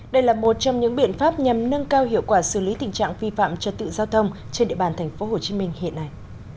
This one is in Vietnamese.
đây là một trong những biện pháp nhằm nâng cao hiệu quả xử lý tình trạng vi phạm trật tự giao thông trên địa bàn tp hcm hiện nay